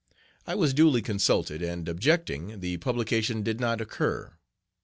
I was duly consulted, and, objecting, the publication did not occur.